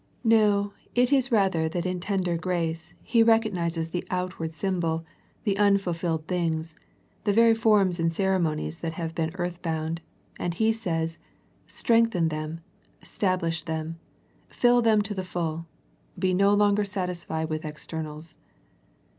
No, it is rather that in tender 142 A First Century Message grace, He recognizes the outward symbol, the unfulfilled things, the very forms and ceremo nies that have been earth bound, and He says, Strengthen them, stablish them, fill them to the full. Be no longer satisfied with externals.